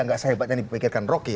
aja gak sehebat yang dipikirkan roky